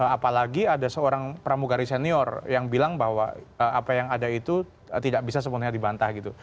apalagi ada seorang pramugari senior yang bilang bahwa apa yang ada itu tidak bisa sepenuhnya dibantah gitu